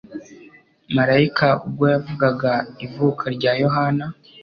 Malayika ubwo yavugaga ivuka rya Yohana,